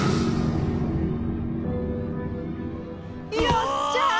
よっしゃあ！